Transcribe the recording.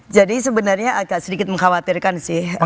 jadi sebenarnya agak sedikit mengkhawatirkan sih